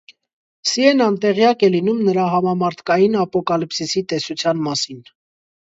Սիենան տեղյակ է լինում նրա համամարդկային ապոկալիպսիսի տեսության մասին։